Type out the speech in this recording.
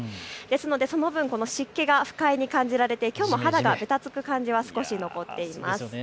ですので、その分、湿気が不快に感じられてきょうも肌がべたつく感じは少し残っています。